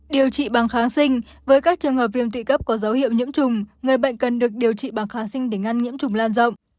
điều trị bằng kháng sinh với các trường hợp viêm trị cấp có dấu hiệu nhiễm trùng người bệnh cần được điều trị bằng kháng sinh để ngăn nhiễm trùng lan rộng